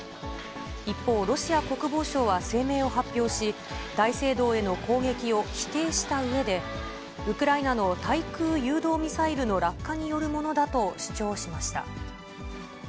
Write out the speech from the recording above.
一方、ロシア国防省は声明を発表し、大聖堂への攻撃を否定したうえで、ウクライナの対空誘導ミサイルの落下によるものだと主張しました。